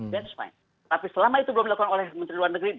that's fine tapi selama itu belum dilakukan oleh menteri luar negeri